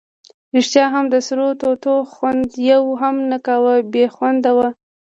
ریښتیا هم د سرو توتو خوند یې هم نه کاوه، بې خونده وو.